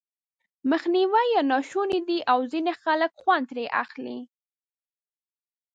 مخنيوی یې ناشونی دی او ځينې خلک خوند ترې اخلي.